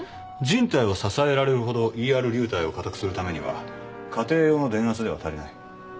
人体を支えられるほどＥＲ流体を固くするためには家庭用の電圧では足りない。